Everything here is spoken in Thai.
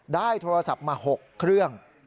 ได้โทรศัพท์มา๖เครื่อง